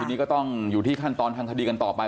ทีนี้ก็ต้องอยู่ที่ขั้นตอนทางคดีกันต่อไป